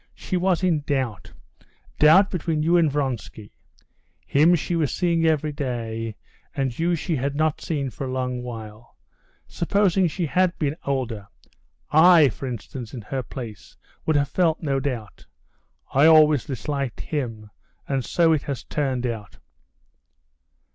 She was in doubt. Doubt between you and Vronsky. Him she was seeing every day, and you she had not seen for a long while. Supposing she had been older ... I, for instance, in her place could have felt no doubt. I always disliked him, and so it has turned out."